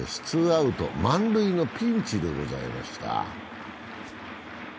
ツーアウト満塁のピンチでございました。